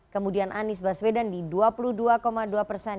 kemudian anies baswedan di dua puluh dua dua persen